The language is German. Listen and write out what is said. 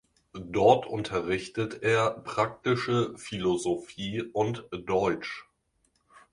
Dort unterrichtet er praktische Philosophie und Deutsch.